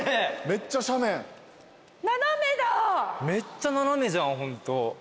めっちゃ斜めじゃんホント。